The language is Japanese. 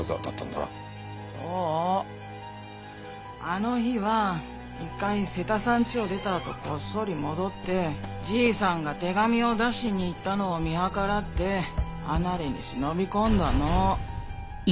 あの日は一回瀬田さんちを出たあとこっそり戻ってじいさんが手紙を出しに行ったのを見計らって離れに忍び込んだの。